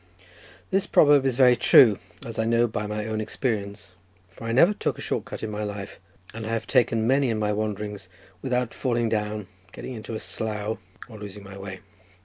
This proverb is very true, as I know by my own experience, for I never took a short cut in my life, and I have taken many in my wanderings, without falling down, getting into a slough, or losing my way.